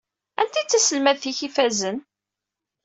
Anta i d taselmadt-ik ifazen?